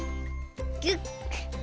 ギュッ。